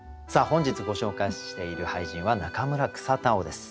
本日ご紹介している俳人は中村草田男です。